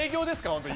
本当に。